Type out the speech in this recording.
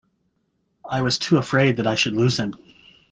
I was too afraid that I should lose him.